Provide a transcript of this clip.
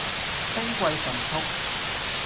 兵貴神速